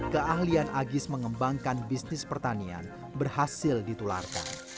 keahlian agis mengembangkan bisnis pertanian berhasil ditularkan